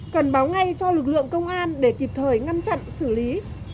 cần báo ngay cho lực lượng công an để kịp thời ngăn chặn xử lý